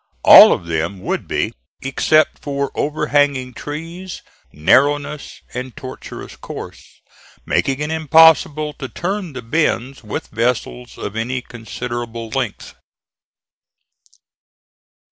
All of them would be, except for overhanging trees, narrowness and tortuous course, making it impossible to turn the bends with vessels of any considerable length.